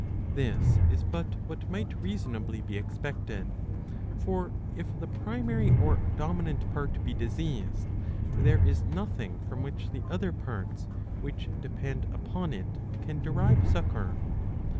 ^''' This is but what might reasonably be expected. For, if the primary or dominant part be diseased, there is nothing from which the other parts which depend upon it can derive succour.